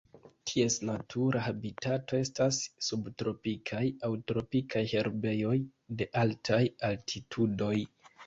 Ties natura habitato estas subtropikaj aŭ tropikaj herbejoj de altaj altitudoj.